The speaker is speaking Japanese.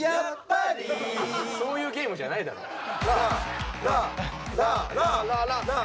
そういうゲームじゃないだろえ